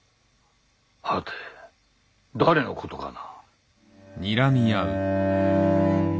はて誰のことかな？